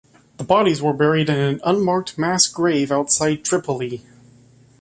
The bodies were buried in an unmarked mass grave outside Tripoli.